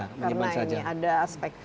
karena ini ada aspek